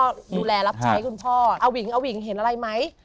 ก็ดูแลรับใช้คุณพ่ออวิงอวิงเห็นอะไรไหม